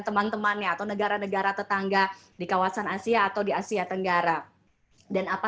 teman temannya atau negara negara tetangga di kawasan asia atau di asia tenggara dan apa